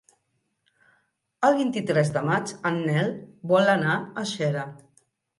El vint-i-tres de maig en Nel vol anar a Xera.